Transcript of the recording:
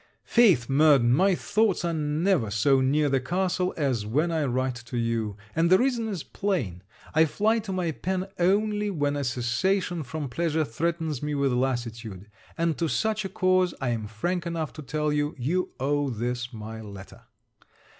Faith, Murden, my thoughts are never so near the castle as when I write to you; and the reason is plain I fly to my pen only when a cessation from pleasure threatens me with lassitude; and to such a cause, I am frank enough to tell you, you owe this my letter.